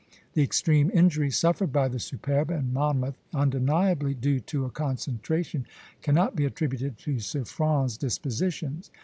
The extreme injury suffered by the "Superbe" and "Monmouth," undeniably due to a concentration, cannot be attributed to Suffren's dispositions.